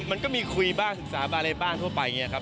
มันก็มีคุยบ้างศึกษาบ้างอะไรบ้างทั่วไปอย่างนี้ครับ